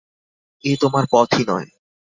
এ তোমার পথই নয়।